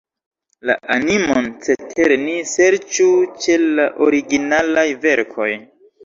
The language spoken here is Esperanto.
La animon cetere ni serĉu ĉe la originalaj verkoj.